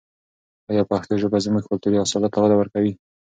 آیا پښتو ژبه زموږ کلتوري اصالت ته وده ورکوي؟